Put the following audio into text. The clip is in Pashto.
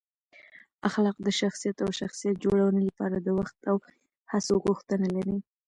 اخلاق د شخصیت او شخصیت جوړونې لپاره د وخت او هڅو غوښتنه لري.